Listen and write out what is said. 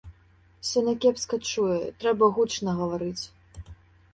Соня кепска чуе, трэба гучна гаварыць.